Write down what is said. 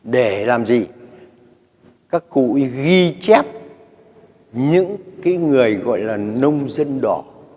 để làm gì các cụ ghi chép những cái người gọi là nông dân đỏ